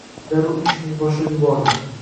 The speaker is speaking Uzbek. darrov ishni boshlab yubordi.